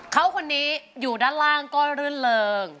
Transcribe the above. เขาคนนี้อยู่ด้านล่างก็รื่นเริง